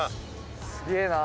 すげえな。